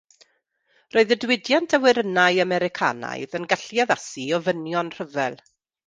Roedd y diwydiant awyrennau Americanaidd yn gallu addasu i ofynion rhyfel.